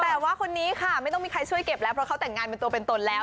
แต่ว่าคนนี้ค่ะไม่ต้องมีใครช่วยเก็บแล้วเพราะเขาแต่งงานเป็นตัวเป็นตนแล้ว